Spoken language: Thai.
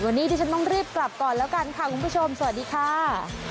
วันนี้ดิฉันต้องรีบกลับก่อนแล้วกันค่ะคุณผู้ชมสวัสดีค่ะ